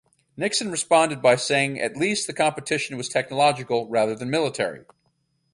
Nixon responded by saying at least the competition was technological, rather than military.